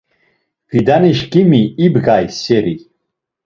Fidanişǩimi ibgay seri.